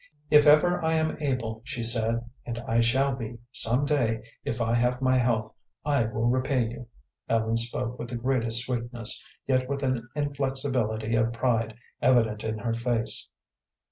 "If ever I am able," she said "and I shall be able some day if I have my health I will repay you." Ellen spoke with the greatest sweetness, yet with an inflexibility of pride evident in her face.